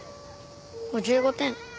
５５点。